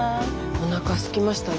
おなかすきましたね。ね。